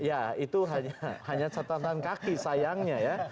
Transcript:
ya itu hanya catatan kaki sayangnya ya